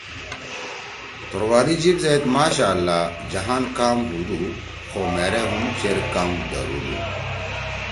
توروالی جیِب زید ماشاءاللہ جہان کام ہُودُو کو مھیرے ہُم چیر کام دھرُودُو۔